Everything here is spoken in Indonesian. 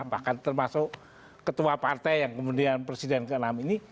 bahkan termasuk ketua partai yang kemudian presiden ke enam ini